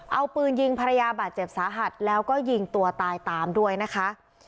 เอาปืนยิงภรรยาบาดเจ็บสาหัสแล้วก็ยิงตัวตายตามด้วยนะคะ